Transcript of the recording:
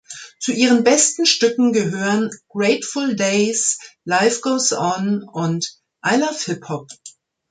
Zu ihren besten Stücken gehören "Grateful Days", "Life Goes On" und "I Love Hip-Hop".